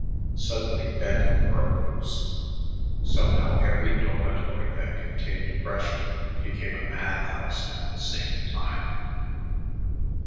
Suddenly bedlam broke loose. Somehow every dormitory that contained freshmen became a madhouse at the same time.